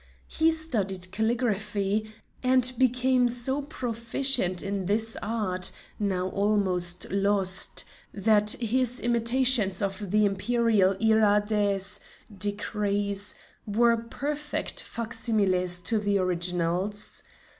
He studied calligraphy, and became so proficient in this art, now almost lost, that his imitations of the Imperial Iradés (decrees) were perfect fac similes of the originals.